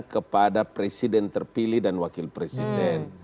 kepada presiden terpilih dan wakil presiden